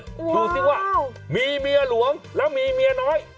ดูสิว่ามีเมียหลวงแล้วมีเมียน้อย